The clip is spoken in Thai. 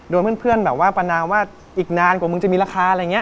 เพื่อนแบบว่าประนามว่าอีกนานกว่ามึงจะมีราคาอะไรอย่างนี้